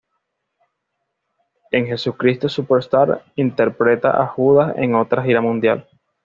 En "Jesucristo Superstar" interpreta a Judas en otra gira mundial.